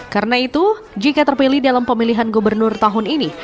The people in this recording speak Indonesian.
karena itu jika terpilih dalam pemilihan gubernur tahun ini